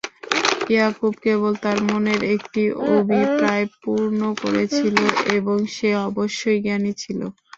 ইয়াকূব কেবল তার মনের একটি অভিপ্রায় পূর্ণ করেছিল এবং সে অবশ্যই জ্ঞানী ছিল।